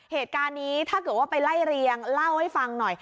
เหตุการณ์นี้ถ้าเกิดว่าไปไล่เรียงเล่าให้ฟังหน่อย